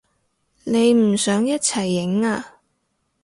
你唔想一齊影啊？